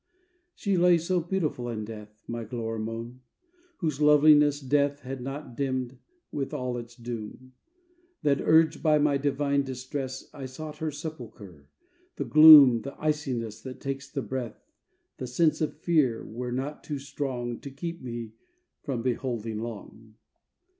She lay so beautiful in death, My Gloramone, whose loveliness Death had not dimmed with all its doom, That, urged by my divine distress, I sought her sepulchre: the gloom, The iciness that takes the breath, The sense of fear, were not too strong To keep me from beholding long.